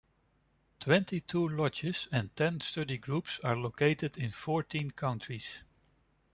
Twenty-two lodges and ten study groups are located in fourteen countries.